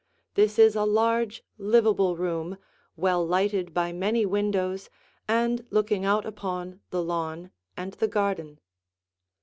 This is a large, livable room, well lighted by many windows and looking out upon the lawn and the garden.